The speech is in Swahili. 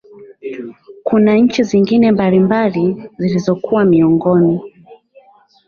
kuna nchi zingine mbalimbali zilizokuwa miongoni